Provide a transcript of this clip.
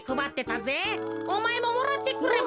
おまえももらってくれば。